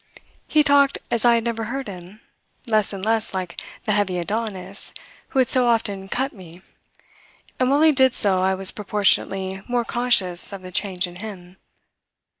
He talked as I had never heard him less and less like the heavy Adonis who had so often "cut" me; and while he did so I was proportionately more conscious of the change in him.